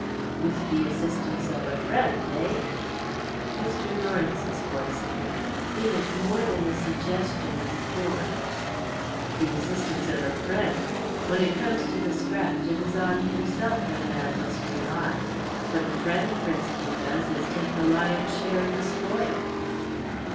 "With the assistance of a friend eh?" Mr. Lawrence's voice again; in it more than a suggestion of scorn. "The assistance of a friend! When it comes to the scratch, it is on himself that a man must rely. What a friend principally does is to take the lion's share of the spoil."